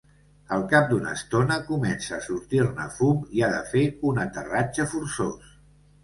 Al cap d'una estona, comença a sortir-ne fum i ha de fer un aterratge forçós.